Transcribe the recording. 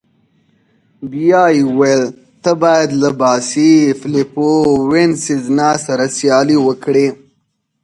بیا يې وویل: ته باید له باسي، فلیپو او وینسزنا سره سیالي وکړې.